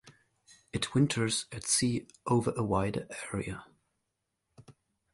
It winters at sea over a wider area.